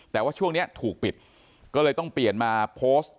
แต่ว่าช่วงนี้ถูกปิดก็เลยต้องเปลี่ยนมาโพสต์